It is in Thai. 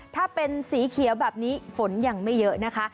ถ้าเป็นสีเขียวแบบนี้ฝนยังไม่เยอะนะคะ